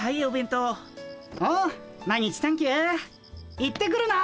行ってくるな！